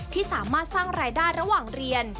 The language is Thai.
ที่สามารถสร้างรายได้ระหว่างเรียน